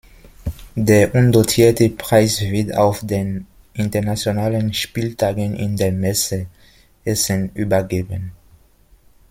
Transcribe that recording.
Der undotierte Preis wird auf den Internationalen Spieltagen in der Messe Essen übergeben.